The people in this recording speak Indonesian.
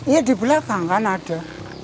ya di belakang kan ada